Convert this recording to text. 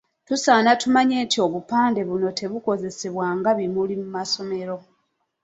Tusaana tumanye nti obupande buno tebukozesebwa nga “bimuli” mu masomero.